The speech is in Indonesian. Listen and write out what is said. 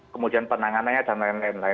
kemudian penanganannya dan lain lain